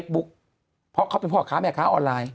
คุณหนุ่มกัญชัยได้เล่าใหญ่ใจความไปสักส่วนใหญ่แล้ว